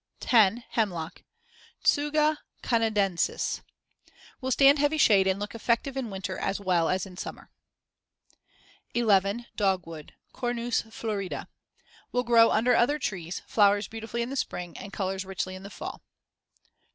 10. Hemlock (Tsuga canadensis) Will stand heavy shade and look effective in winter as well as in summer. 11. Dogwood (Cornus florida) Will grow under other trees; flowers beautifully in the spring and colors richly in the fall.